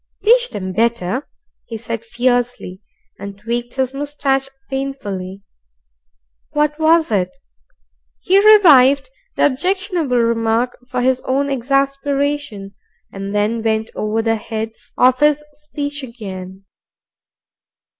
"Teach 'em better," he said fiercely, and tweaked his moustache painfully. What was it? He revived the objectionable remark for his own exasperation, and then went over the heads of his speech again.